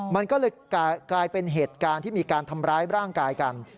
มันก็เลยกลายเป็นเหตุการณ์ที่มีการทำร้ายร่างกายกัน